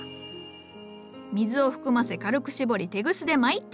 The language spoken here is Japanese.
水を含ませ軽く絞りテグスで巻いて完成じゃ。